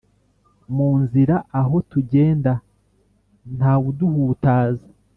mu nzira aho tugenda ntawuduhutaza